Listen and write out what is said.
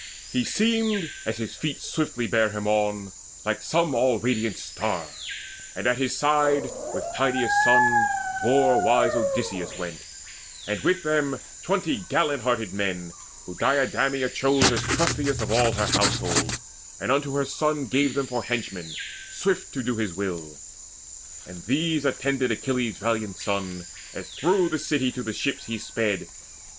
He seemed, as his feet swiftly bare him on, Like some all radiant star; and at his side With Tydeus' son war wise Odysseus went, And with them twenty gallant hearted men, Whom Deidameia chose as trustiest Of all her household, and unto her son Gave them for henchmen swift to do his will. And these attended Achilles' valiant son, As through the city to the ship he sped.